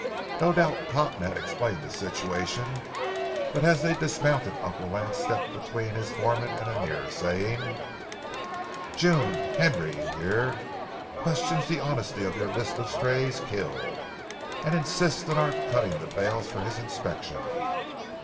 No doubt Cotton had explained the situation, but as they dismounted Uncle Lance stepped between his foreman and Annear, saying:— "June, Henry, here, questions the honesty of your list of strays killed, and insists on our cutting the bales for his inspection."